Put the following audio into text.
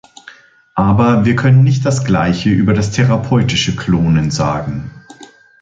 Aber wir können nicht das Gleiche über das therapeutische Klonen sagen.